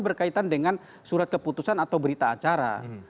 berkaitan dengan surat keputusan atau berita acara